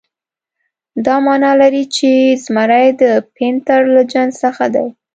دا معنی لري چې زمری د پینتر له جنس څخه دی.